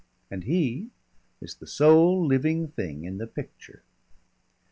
And he is the sole living thing in the picture.